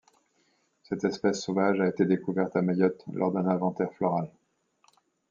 Cette espèce sauvage a été découverte à Mayotte lors d'un inventaire floral.